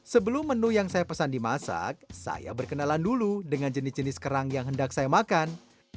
sebelum menu yang saya pesan dimasak saya berkenalan dulu dengan jenis jenis kerang yang hendak saya makan